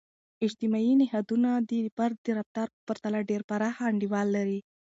اجتماعي نهادونه د فرد د رفتار په پرتله ډیر پراخ انډول لري.